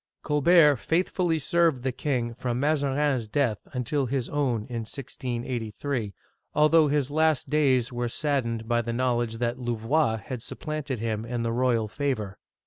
Colbert faithfully served the king from Mazarin's death until his own in 1683, although his last days were saddened by the knowledge that Louvois had supplanted him in the royal favor.